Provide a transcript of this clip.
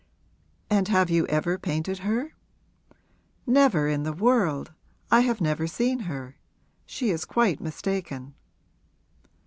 'And have you ever painted her?' 'Never in the world; I have never seen her. She is quite mistaken.'